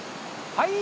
はい！